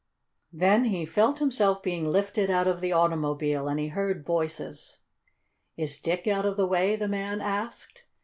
Then he felt himself being lifted out of the automobile, and he heard voices. "Is Dick out of the way?" the man asked.